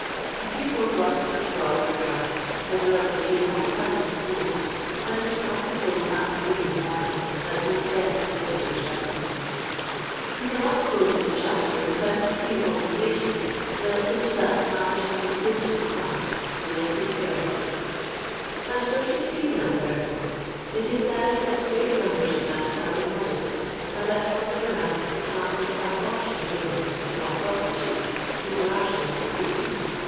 A few more glasses of grog were drunk, as well as a few more pipes smoked; and it was not until past three in the morning that Old Death's visitors left him. We cannot close this chapter without a few observations relative to that large and important class—domestic servants. And first of female servants. It is said that great numbers of them are immodest, and that from their ranks the class of unfortunate women, or prostitutes, is largely recruited.